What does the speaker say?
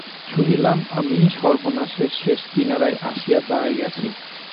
শুনিলাম, আমি সর্বনাশের শেষ কিনারায় আসিয়া দাঁড়াইয়াছি।